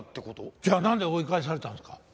じゃあなんで追い返されたんですか？